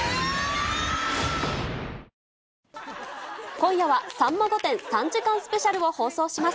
今夜は、さんま御殿３時間スペシャルを放送します。